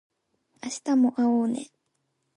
明日も会おうね